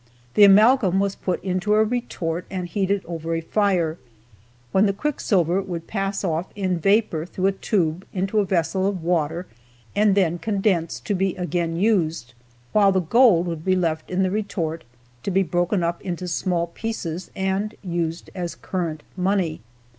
The amalgam was put into a retort and heated over a fire, when the quicksilver would pass off in vapor through a tube into a vessel of water, and then condense, to be again used, while the gold would be left in the retort, to be broken up into small pieces and used as current money.